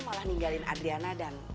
malah ninggalin adriana dan